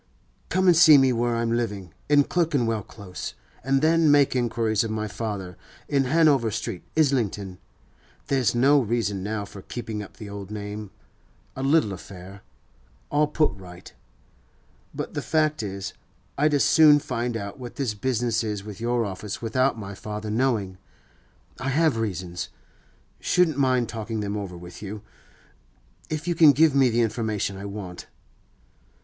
'Come and see me where I'm living, in Clerkenwell Close, and then make inquiries of my father, in Hanover Street, Islington. There's no reason now for keeping up the old name—a little affair—all put right. But the fact is, I'd as soon find out what this business is with your office without my father knowing. I have reasons; shouldn't mind talking them over with you, if you can give me the information I want.